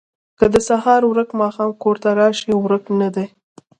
که د سهار ورک ماښام کور ته راشي، ورک نه دی.